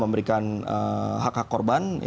memberikan hak hak korban